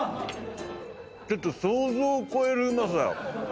ちょっと想像を超えるうまさだよ。